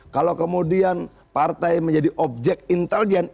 kalau kemudian partai menjadi objek intelijen